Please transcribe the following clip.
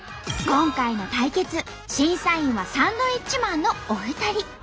今回の対決審査員はサンドウィッチマンのお二人。